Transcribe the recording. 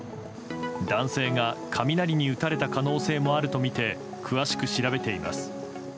男性が雷に打たれた可能性もあるとみて詳しく調べています。